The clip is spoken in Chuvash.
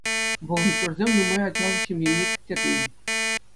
Волонтерсем нумай ачаллӑ ҫемьене кӗттермен.